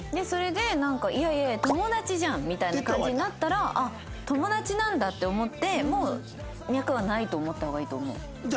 それでなんかいやいやいや友達じゃんみたいな感じになったらあっ友達なんだって思ってもう脈はないと思った方がいいと思う。